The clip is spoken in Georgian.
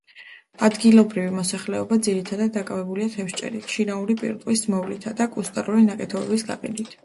ადგილობრივი მოსახლეობა ძირითადად დაკავებულია თევზჭერით, შინაური პირუტყვის მოვლით და კუსტარული ნაკეთობების გაყიდვით.